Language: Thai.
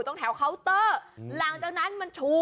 โอ้โหยังยาว